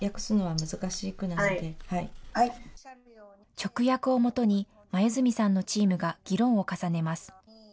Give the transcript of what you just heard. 直訳をもとに、黛さんのチームが議論を重ねます。